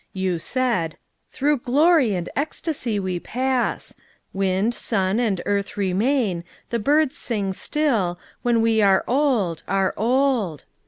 You said, "Through glory and ecstasy we pass; Wind, sun, and earth remain, the birds sing still, When we are old, are old.